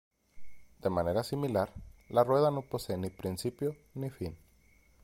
De manera similar, la rueda no posee ni principio ni fin.